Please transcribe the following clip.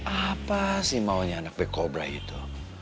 apa sih maunya anak pilih kobra itu